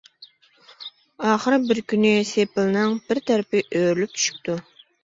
ئاخىرى بىر كۈنى سېپىلنىڭ بىر تەرىپى ئۆرۈلۈپ چۈشۈپتۇ.